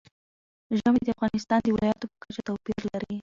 ژمی د افغانستان د ولایاتو په کچه توپیر لري.